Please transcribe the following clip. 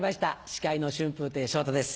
司会の春風亭昇太です。